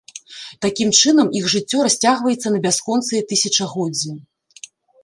Такім чынам, іх жыццё расцягваецца на бясконцыя тысячагоддзі.